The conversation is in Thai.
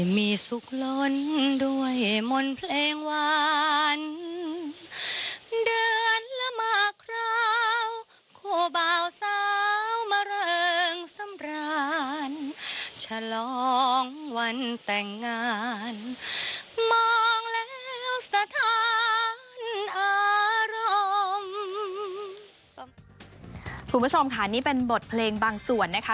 มองแล้วสถานอารมณ์คุณผู้ชมค่ะนี่เป็นบทเพลงบางส่วนนะคะ